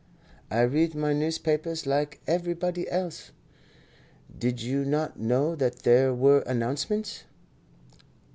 "I read my newspapers like everybody else. Did you not know that there were announcements?"